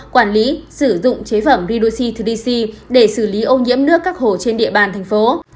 quản lý sử dụng chế phẩm redoxy ba c để xử lý ô nhiễm nước các hồ trên địa bàn tp